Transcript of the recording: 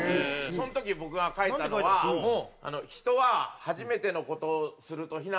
その時僕が書いたのは「人は初めての事をすると非難される」